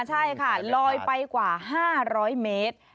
ใช่ค่ะลอยไปกว่า๕๐๐เมตร